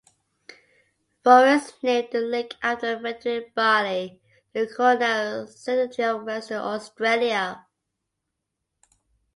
Forrest named the lake after Frederick Barlee, the Colonial Secretary of Western Australia.